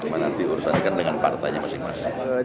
mana diuruskan dengan partainya masing masing